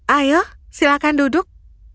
ayo silakan duduk